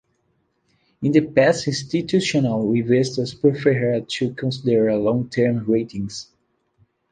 In the past institutional investors preferred to consider long-term ratings.